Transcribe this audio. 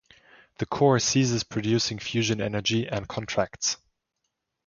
The core ceases producing fusion energy and contracts.